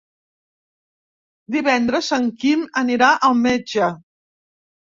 Divendres en Quim anirà al metge.